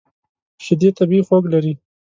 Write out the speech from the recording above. شیدې طبیعي خوږ لري.